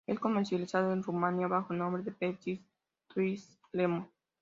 Es comercializada en Rumania bajo el nombre de Pepsi Twist Lemon.